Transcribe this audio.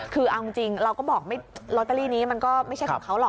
คือเอาจริงเราก็บอกลอตเตอรี่นี้มันก็ไม่ใช่ของเขาหรอก